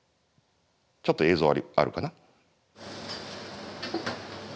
ちょっと映像あるかな。